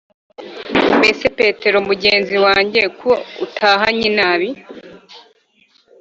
“mbese petero mugenzi wanjye, ko utahanye inabi?